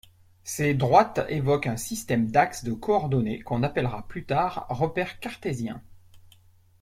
Ces droites évoquent un système d'axes de coordonnées qu'on appellera plus tard repère cartésien.